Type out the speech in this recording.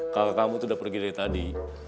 kalau kamu tuh udah pergi dari tadi